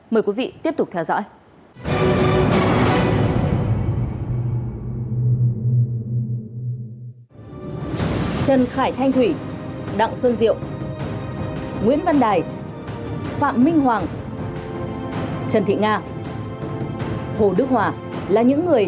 mời quý vị tiếp tục theo dõi